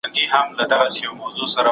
ځيني پښتانه دښمن خواته ولاړل